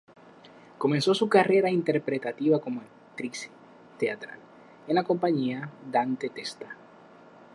Comenzó su carrera interpretativa como actriz teatral, en la compañía de Dante Testa.